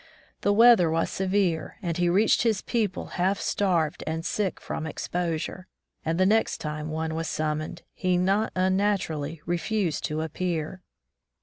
The weather was severe and he reached his people half starved and sick from exposure, and the next time one was summoned, he not unnaturally refused to appear.